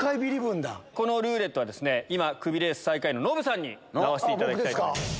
このルーレットは今クビレース最下位のノブさんに回していただきます。